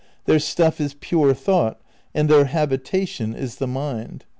Their stuff is pure thought and their habitation is the mind.